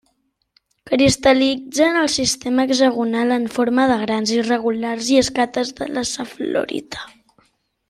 Cristal·litza en el sistema hexagonal en forma de grans irregulars i escates en safflorita.